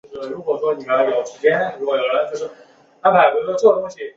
并且正式取消氟派瑞于茶的留容许量。